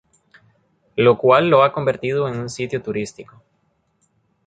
Lo cual lo ha convertido en un sitio turístico.